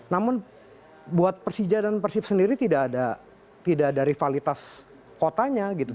namun buat persija dan persib sendiri tidak ada rivalitas kotanya gitu